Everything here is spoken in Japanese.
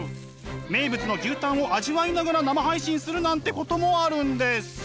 名物の牛タンを味わいながら生配信するなんてこともあるんです。